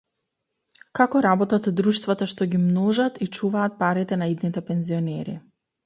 Како работат друштвата што ги множат и чуваат парите на идните пензионери